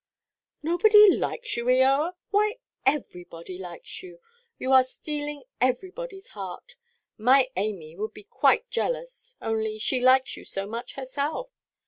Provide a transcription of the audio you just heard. "Nobody likes you, Eoa! Why, everybody likes you. You are stealing everybodyʼs heart. My Amy would be quite jealous, only she likes you so much herself."